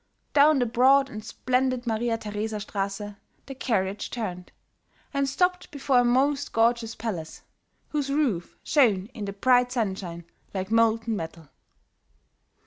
Down the broad and splendid Maria Theresa Strasse the carriage turned, and stopped before a most gorgeous palace, whose roof shone in the bright sunshine like molten metal.